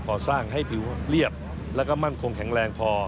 ก่อสร้างให้ผิวเรียบแล้วก็มั่นคงแข็งแรงพอ